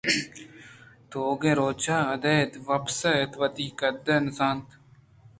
تیوگیں روچ ءَ اِدا وپسیت وتی قد ءَ نہ زانت